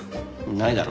ないだろ。